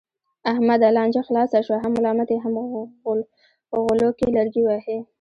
احمده! لانجه خلاصه شوه، هم ملامت یې هم غولو کې لرګی وهې.